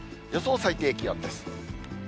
予想最低気温です。